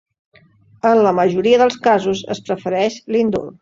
En la majoria dels casos es prefereix l'indult.